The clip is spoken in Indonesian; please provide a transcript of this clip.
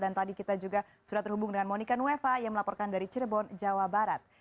dan tadi kita juga sudah terhubung dengan monika nueva yang melaporkan dari cirebon jawa barat